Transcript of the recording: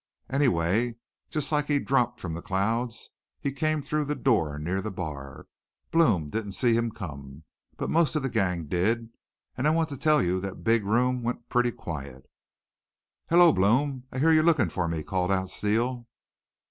Any way, just like he dropped from the clouds he came through the door near the bar. Blome didn't see him come. But most of the gang did, an' I want to tell you that big room went pretty quiet. "'Hello Blome, I hear you're lookin' for me,' called out Steele.